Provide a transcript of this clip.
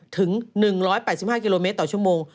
ถึง๑๘๕กิโลเมตรต่อชั่วโมง